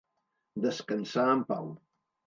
Descansar en pau.